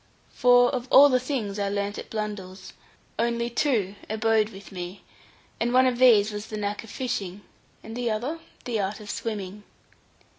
For of all the things I learned at Blundell's, only two abode with me, and one of these was the knack of fishing, and the other the art of swimming.